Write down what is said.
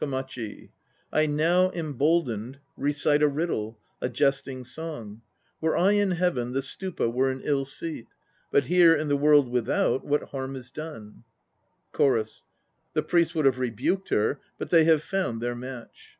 KOMACHI. I now emboldened Recite a riddle, a jesting song. "Were I in Heaven The Stupa were an ill seat; But here, in the world without, What harm is done?" 1 CHORUS. The priests would have rebuked her; But they have found their match.